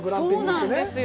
そうなんですよ。